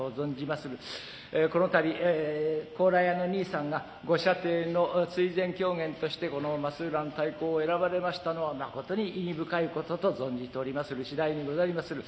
この度高麗屋のにいさんが御舎弟の追善狂言としてこの「松浦の太鼓」を選ばれましたのは誠に意義深いことと存じておりまする次第にござりまする。